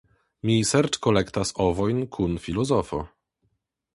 Mi serĉkolektas ovojn kun filozofo.